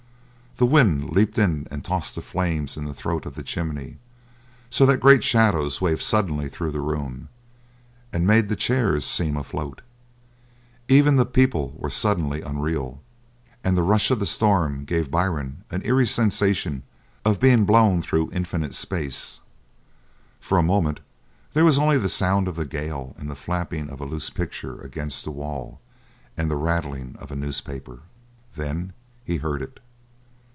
The wind leaped in and tossed the flame in the throat of the chimney, so that great shadows waved suddenly through the room, and made the chairs seem afloat. Even the people were suddenly unreal. And the rush of the storm gave Byrne an eerie sensation of being blown through infinite space. For a moment there was only the sound of the gale and the flapping of a loose picture against the wall, and the rattling of a newspaper. Then he heard it.